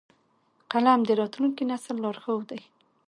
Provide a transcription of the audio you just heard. قلم د راتلونکي نسل لارښود دی